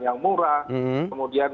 yang murah kemudian